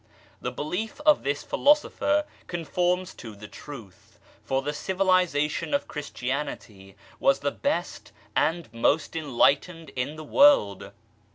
The belief of this Philosopher conforms to the Truth, for the civilization of Christianity was the best and most enlightened in the world.